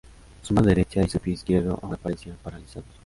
Su mano derecha y su pie izquierdo ahora parecían paralizados.